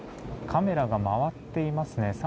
カメラが回っていますね。